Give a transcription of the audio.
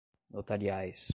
notariais